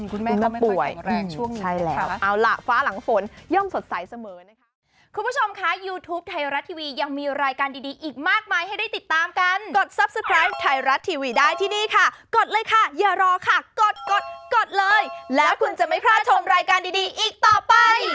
คุณแม่ก็ไม่ค่อยแข็งแรงช่วงนี้ใช่แล้วเอาล่ะฟ้าหลังฝนย่อมสดใสเสมอนะคะ